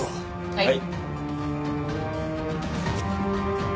はい。